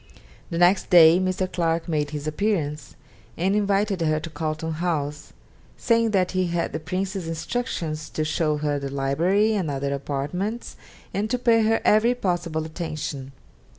The next day Mr. Clarke made his appearance, and invited her to Carlton House, saying that he had the Prince's instructions to show her the library and other apartments, and to pay her every possible attention.